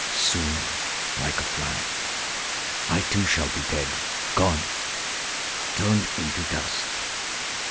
Soon, like a fly, I, too, shall be dead, gone, turned into dust.